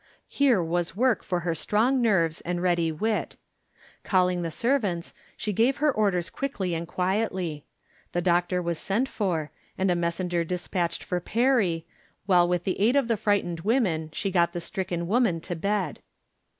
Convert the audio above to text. Here was work for her strong nerves and ready wit. Cal ling the servants, she gave her orders quickly and quietly. The doctor was sent for, and a messenger despatched for Perry, while with the aid of the frightened women, she got the stricken woman to bed.